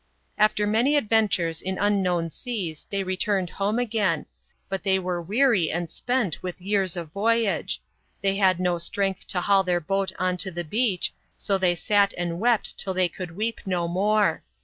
"After many adventures in unknown seas they returned home again ; but they were weary and spent with years of voyage ; they had no strength to haul their boat on to the beach, so they sat and wept till they could weep no more.